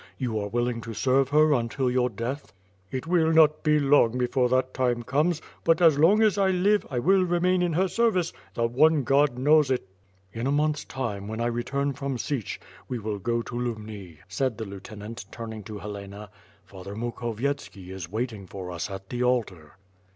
You are willing to serve her until your death?" '*It will not be long before that time comes; but as long as 1 live, 1 will remain in her service; the one God knows it/' "In a month's time, when 1 return from Sich, we will go to Lubni," said the lieutenant, turning to Helena. "Father Mukhovietski is waiting for us at the altar."